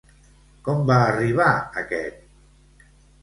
Com va arribar aquest?